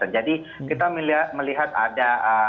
jadi kita melihat ada